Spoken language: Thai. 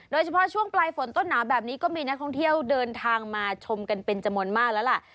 โดยเฉพาะช่วงปลายฝนต้นหนาวแบบนี้ก็มีนักท่องเที่ยวเดินทางมาชมกันเป็นจำนวนมากแล้วล่ะ